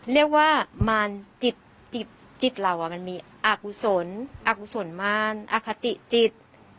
เรียกว่ามารจิตเรามันมีอากุศลอากุศลมารอคติจิต